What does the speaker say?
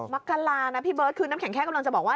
มักกรานะพี่เบิร์ตคือน้ำแข็งแค่กำลังจะบอกว่า